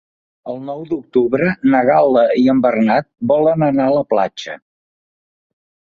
El nou d'octubre na Gal·la i en Bernat volen anar a la platja.